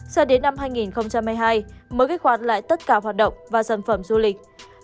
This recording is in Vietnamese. sao đến năm hai nghìn hai mươi hai mới kích hoạt lại tất cả hoạt động và sản phẩm du lịch